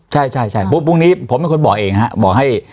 ใช่ใช่ปุ๊บพรุ่งนี้ผมเป็นคนบอกเองฮะบอกให้